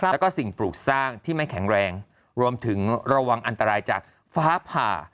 แล้วก็สิ่งปลูกสร้างที่ไม่แข็งแรงรวมถึงระวังอันตรายจากฟ้าผ่า